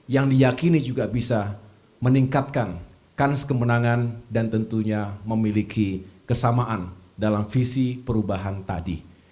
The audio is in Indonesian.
yang diyakini juga bisa meningkatkan kans kemenangan dan tentunya memiliki kesamaan dalam visi perubahan tadi